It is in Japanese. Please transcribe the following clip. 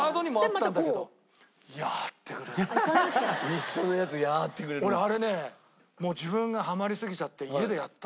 一緒のやつやってくれるんですか。